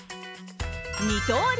二刀流